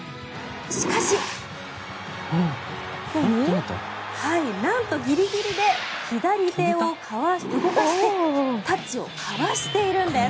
しかし、なんとギリギリで左手を動かしタッチをかわしているんです。